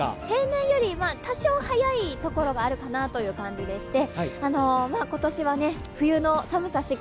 平年より多少早いところがあるかなという感じでして、今年は冬の寒さ